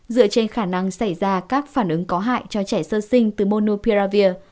dựa trên khả năng xảy ra các phản ứng có hại cho trẻ sơ sinh từ monopia